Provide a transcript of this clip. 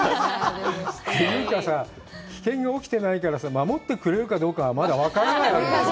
というかさぁ、危険が起きてないから、守ってくれるかどうかはまだ分からないわけでしょう。